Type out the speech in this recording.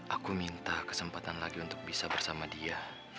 aku minta kesempatan lagi untuk bisa bersama dia